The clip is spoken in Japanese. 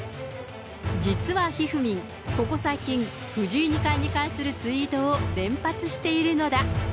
実はひふみん、ここ最近、藤井二冠に関するツイートを連発しているのだ。